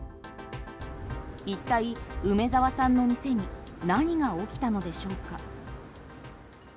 一体、梅澤さんの店に何が起きたのでしょうか？